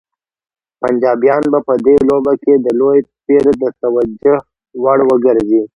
پنجابیان به په دې لوبه کې د لوی پیر د توجه وړ وګرځي.